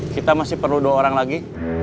kita masih perlu dua orang lagi